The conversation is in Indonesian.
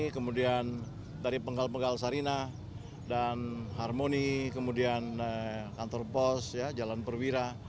kemudian dari penggal pegal sarina dan harmoni kemudian kantor pos jalan perwira